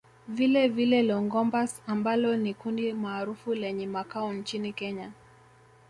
Vilevile Longombas ambalo ni kundi maarufu lenye makao nchini Kenya